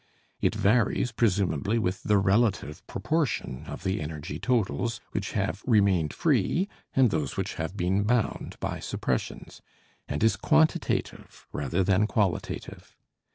It varies presumably with the relative proportion of the energy totals which have remained free and those which have been bound by suppressions, and is quantitative rather than qualitative.